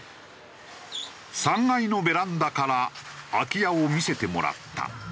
３階のベランダから空き家を見せてもらった。